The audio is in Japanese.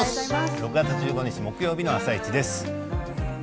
６月１５日木曜日の「あさイチ」です。